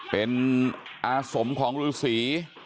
เป็นอาสมของฤษี